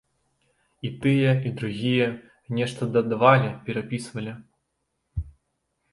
І тыя, і другія, нешта дадавалі, перапісвалі.